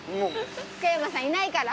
福山さんいないから。